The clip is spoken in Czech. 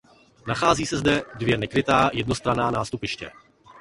Nachází se zde dvě nekrytá jednostranná nástupiště.